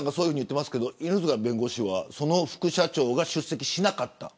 犬塚弁護士はその副社長が出席しなかった。